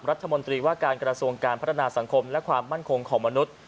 รัฐมนตรีว่าการกระทรวงการพัฒนาสังคมและความมั่นคงของมนุษย์